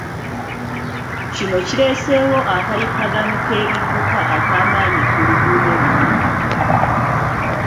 Kino kireeseewo akalippagano k'ebidduka akamaanyi ku luggudo luno.